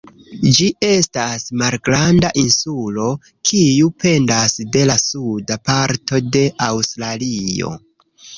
Ĝi estas malgranda insulo, kiu pendas de la suda parto de Aŭstralio.